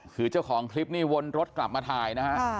คือเจ้าของคลิปนี่วนรถกลับมาถ่ายนะฮะ